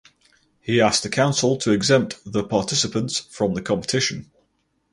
He asked the council to exempt the participants from the competition.